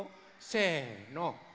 せの。